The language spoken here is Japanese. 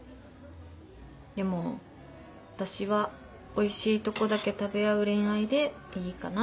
でも私はおいしいとこだけ食べ合う恋愛でいいかな。